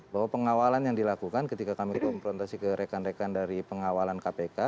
bahwa pengawalan yang dilakukan ketika kami komprontasi ke rekan rekan dari pengawalan kpk